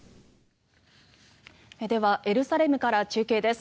ではエルサレムから中継です。